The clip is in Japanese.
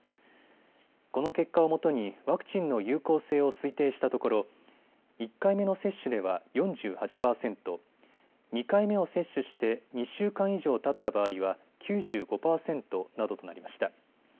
この結果をもとにワクチンの有効性を推定したところ１回目の接種では４８％、２回目を接種して２週間以上たった場合は９５％などとなりました。